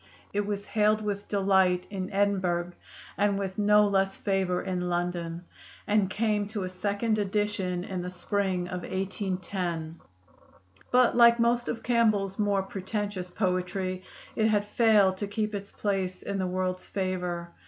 It was hailed with delight in Edinburgh and with no less favor in London, and came to a second edition in the spring of 1810. But like most of Campbell's more pretentious poetry, it has failed to keep its place in the world's favor.